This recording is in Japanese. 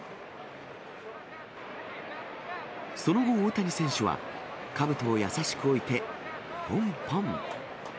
その後、大谷選手は、かぶとを優しく置いて、ぽんぽん。